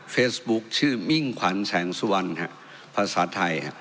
เฟซบุ๊คชื่อมิ่งขวัญแสงสุวรรณภาษาไทย